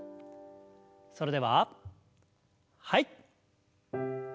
それでははい。